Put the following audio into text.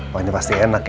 makanya pasti enak ya